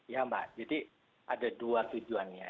ya mbak jadi ada dua tujuannya